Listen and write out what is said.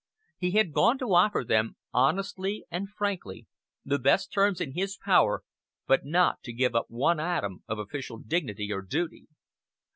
He had gone to offer them, honestly and frankly, the best terms in his power, but not to give up one atom of official dignity or duty.